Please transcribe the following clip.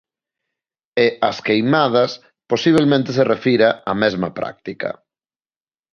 E As Queimadas posibelmente se refira á mesma práctica.